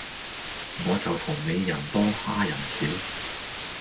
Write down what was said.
我就同你人多哈人少